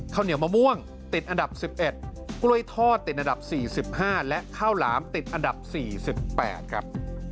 ข้าวเหนียวมะม่วงติดอันดับสิบเอ็ดกล้วยทอดติดอันดับสี่สิบห้าและข้าวหลามติดอันดับสี่สิบแปดครับ